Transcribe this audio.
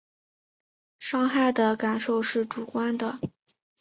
伤害的感受是主观的